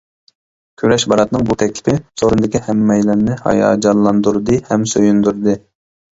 كۈرەش باراتنىڭ بۇ تەكلىپى سورۇندىكى ھەممەيلەننى ھاياجانلاندۇردى ھەم سۆيۈندۈردى.